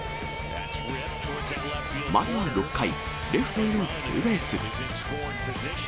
まずは６回、レフトへのツーベース。